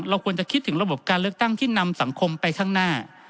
ควรจะคิดถึงระบบการเลือกตั้งที่นำสังคมไปข้างหน้า